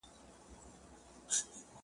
له بدو څخه یا غلی اوسه یا لیري اوسه -